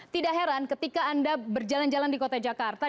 tidak heran ketika anda berjalan jalan di kota jakarta